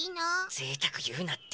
ぜいたくいうなって。